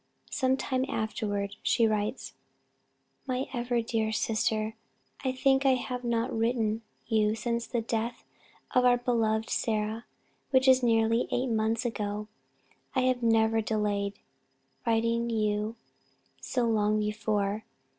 Sometime afterward she writes, "My ever dear Sister, I think I have not written you since the death of our beloved Sarah, which is nearly eight months ago. I have never delayed writing to you so long before.